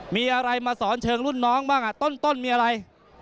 มีอะไรมาสอนเชิงรุ่นน้องบ้างต้นมีอะไร